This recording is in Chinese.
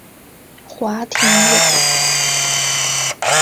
华亭人。